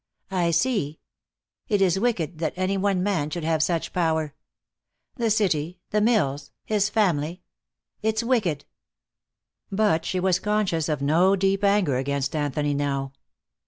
"I see. It is wicked that any one man should have such power. The city, the mills, his family it's wicked." But she was conscious of no deep anger against Anthony now.